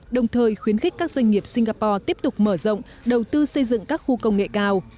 đồng thời khuyến khích các doanh nghiệp singapore tiếp tục mở rộng đầu tư xây dựng các khu công nghệ cao